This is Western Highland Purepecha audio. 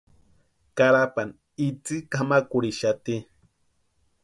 Carapani itsï kʼamakurhixati.